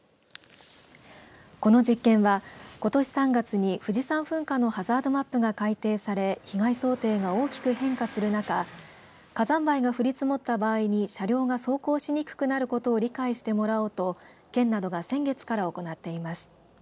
この実験はことし３月に富士山噴火のハザードマップが改定され被害想定が大きく変化する中火山灰が降り積もった場合に車両が走行しにくくなることを理解してもらおうと県などが先月から行っています。